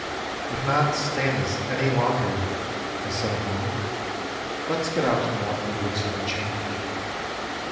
"I cannot stand this any longer," I said aloud. " Let's get out and walk in the woods for a change."